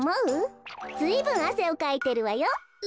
ずいぶんあせをかいてるわよ。